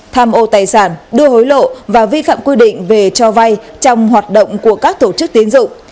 tham ô tài sản đưa hối lộ và vi phạm quy định về cho vay trong hoạt động của các tổ chức tiến dụng